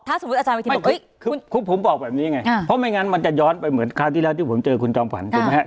สมมุติอาจารย์วิธีบอกเฮ้ยผมบอกแบบนี้ไงเพราะไม่งั้นมันจะย้อนไปเหมือนคราวที่แล้วที่ผมเจอคุณจอมฝันถูกไหมฮะ